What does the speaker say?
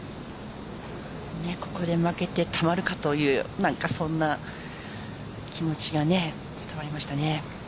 ここで負けてたまるかというそんな気持ちが伝わりましたね。